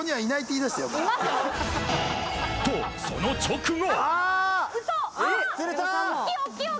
と、その直後。